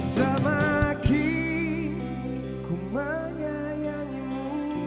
semakin ku menyayangimu